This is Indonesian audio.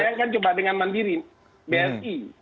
bayangkan dengan mandiri bsi